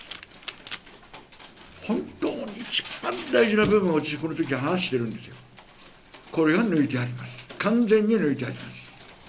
本当に一番大事な部分を私、このとき話しているんですよ、これを抜いてありました、完全に抜いてありました。